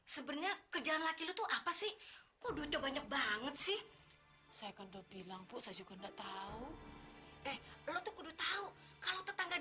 sampai jumpa di video selanjutnya